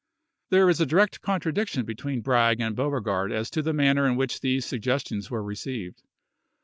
There is a direct contradiction between Bragg and Beauregard as to the manner in which these suggestions were received.